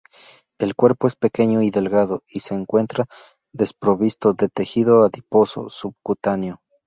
El cuerpo es pequeño y delgado y se encuentra desprovisto de tejido adiposo subcutáneo.